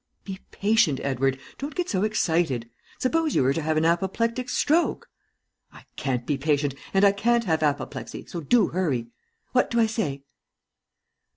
"Be patient, Edward, don't get so excited. Suppose you were to have an apoplectic stroke!" "I can't be patient, and I can't have apoplexy, so do hurry. What do I say?"